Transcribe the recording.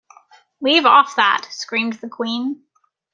‘Leave off that!’ screamed the Queen.